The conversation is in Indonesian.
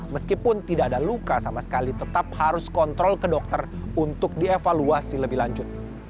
meskipun tidak ada luka sama sekali tetap harus kontrol ke dokter untuk dievaluasi lebih lanjut